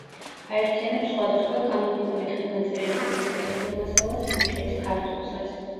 აერთიანებს სხვადასხვა კანონიკური ხელნაწერი წიგნის ტექსტურ მასალას, მათ შორის ქართულსაც.